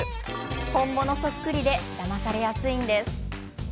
本物そっくりでだまされやすいんです。